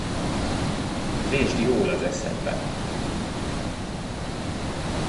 Vésd jól az eszedbe!